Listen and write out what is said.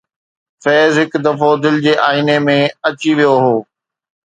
فيض هڪ دفعو دل جي آئيني ۾ اچي ويو هو